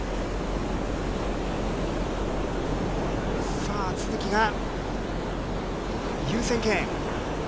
さあ、都筑が、優先権。